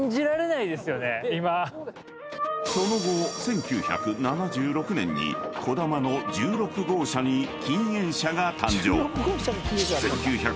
［その後１９７６年にこだまの１６号車に禁煙車が誕生］